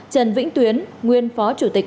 trần vĩnh tuyến nguyên phó chủ tịch